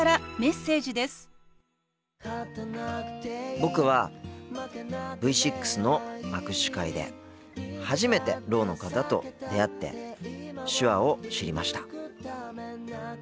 僕はＶ６の握手会で初めてろうの方と出会って手話を知りました。